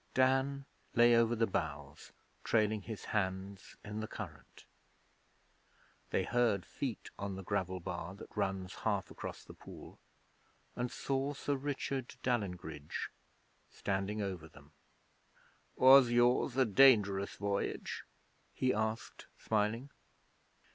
Dan lay over the bows, trailing his hands in the current. They heard feet on the gravel bar that runs half across the pool and saw Sir Richard Dalyngridge standing over them. 'Was yours a dangerous voyage?' he asked, smiling.